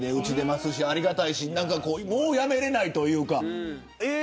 ありがたいですしもうやめられないというか。